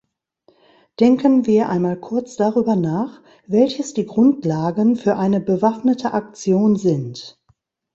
Denken wir einmal kurz darüber nach, welches die Grundlagen für eine bewaffnete Aktion sind.